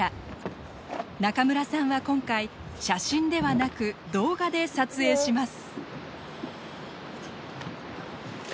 中村さんは今回写真ではなく動画で撮影します。